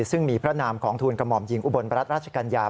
ซึ่งมีพระนามของทูลกระหม่อมหญิงอุบลรัฐราชกัญญา